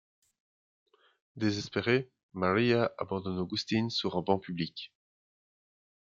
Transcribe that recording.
Désespérée, María abandonne Agustín sur un banc public…